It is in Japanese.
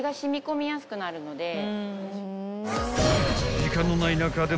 ［時間のない中でも］